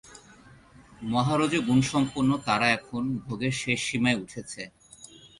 মহারজোগুণসম্পন্ন তারা এখন ভোগের শেষ সীমায় উঠেছে।